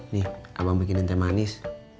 nih abang bikin teh manis